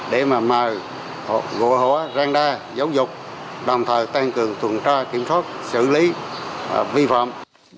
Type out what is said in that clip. để mà mời họ gọi hóa rang đa giáo dục đồng thời tăng cường tuần tra kiểm soát xử lý vi phạm